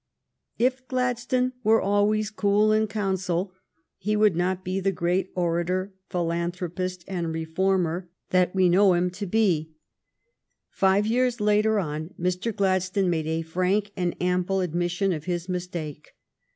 If Gladstone were always cool in council he would not be the great orator, philanthropist, and reformer that we know THE AMERICAN CIVIL WAR 239 him to be. Five years later on Mr. Gladstone made a frank and ample admission of his mis take.